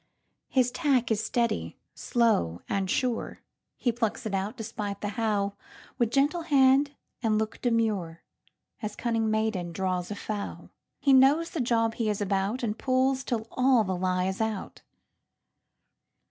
His tack is steady, slow, and sure:He plucks it out, despite the howl, With gentle hand and look demure, As cunning maiden draws a fowl. He knows the job he is about, And pulls till all the lie is out.